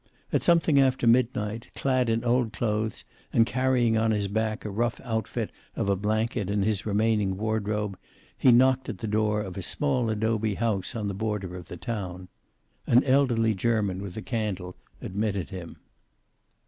At something after midnight, clad in old clothes and carrying on his back a rough outfit of a blanket and his remaining wardrobe, he knocked at the door of a small adobe house on the border of the town. An elderly German with a candle admitted him.